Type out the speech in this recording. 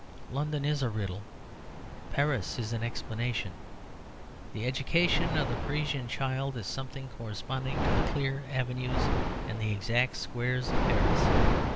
London is a riddle. Paris is an explanation. The education of the Parisian child is something corresponding to the clear avenues and the exact squares of Paris.